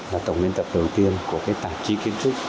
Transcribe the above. là tổng biên tập đầu tiên của cái tạp chí kiến trúc